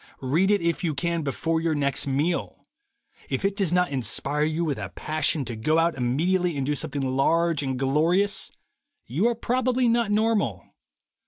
Read it, if you can, before your next meal. If it does not inspire you with a passion to go out immediately and do something large and glorious, you are probably not normal.